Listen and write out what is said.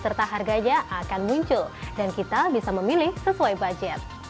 serta harganya akan muncul dan kita bisa memilih sesuai budget